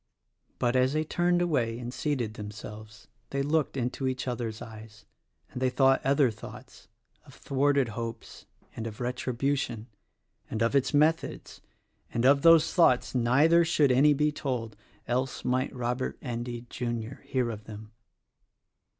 But, as they turned away and seated themselves they looked into each other's eyes, and they thought other thoughts; of thwarted hopes, and of retribution — and of its methods; — and of those thoughts neither should any be told — else might Robert Endy, Jr., hear of them.